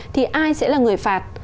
thì ai sẽ là người phạt